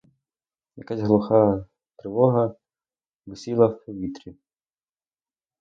Якась глуха тривога висіла в повітрі.